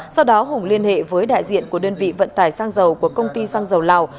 sau đó hùng liên hệ với đại diện của đơn vị vận tải sang dầu của công ty xăng dầu lào